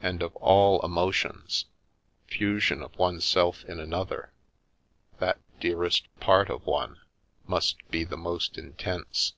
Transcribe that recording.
And, of all emotions, fusion of oneself in another— that " dearest part " of one, must be the most intense.